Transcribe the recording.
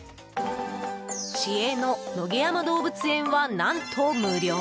市営の野毛山動物園は何と無料。